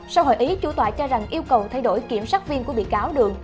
sau hội ý chủ tòa cho rằng yêu cầu thay đổi kiểm sát viên của bị cáo đường